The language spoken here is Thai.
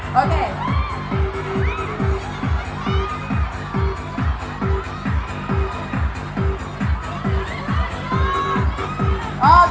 กรอบใช้ได้อีกพวก